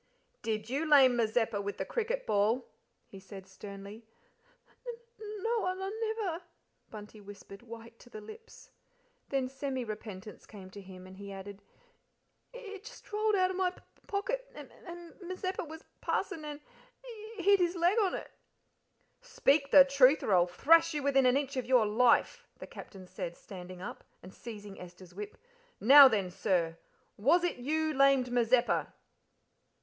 "Did you lame Mazeppa with the cricket ball?" he said sternly. "N n no I n never," Bunty whispered, white to the lips. Then semi repentance came to him, and he added: "It just rolled out of my p p pocket, and M Mazeppa was passing and h h hit his l leg on it." "Speak the truth, or I'll thrash you within an inch of your life," the Captain said, standing up, and seizing Esther's whip: "Now then, sir was it you lamed Mazeppa?"